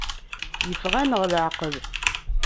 Yeffeɣ-aneɣ leɛqel.